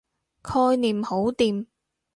概念好掂